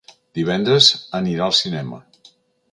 Divendres anirà al cinema.